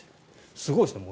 すごいですね。